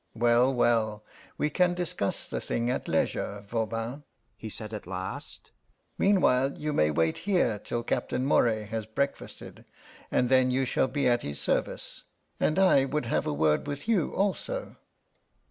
"Well, well, we can discuss the thing at leisure, Voban," he said at last. "Meanwhile you may wait here till Captain Moray has breakfasted, and then you shall be at his service; and I would have a word with you, also."